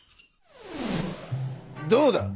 どうだ？